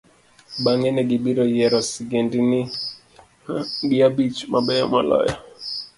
bang'e, ne gibiro yiero sigendini apar gi abich mabeyo moloyo.